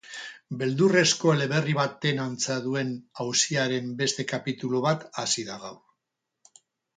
Beldurrezko eleberri baten antza duen auziaren beste kapitulu bat hasi da gaur.